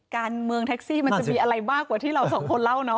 การเมืองแท็กซี่มันจะมีอะไรมากกว่าที่เราสองคนเล่าเนาะ